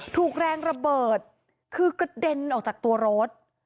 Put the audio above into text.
ถูกแรงระเบิดคือกระเด็นออกจากตัวรถ